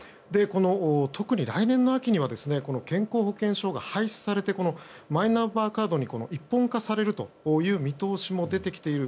特に、来年の秋には健康保険証が廃止されてマイナンバーカードに一本化されるという見通しも出てきている。